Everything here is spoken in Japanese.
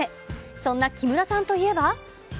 そんな木村さんといえば。